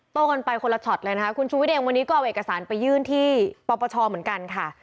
กันไปคนละช็อตเลยนะคะคุณชูวิทย์เองวันนี้ก็เอาเอกสารไปยื่นที่ปปชเหมือนกันค่ะ